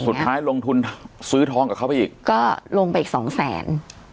สุดท้ายลงทุนซื้อทองกับเขาไปอีกก็ลงไปอีกสองแสน